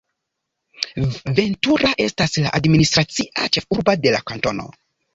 Ventura estas la administracia ĉefurbo de la kantono.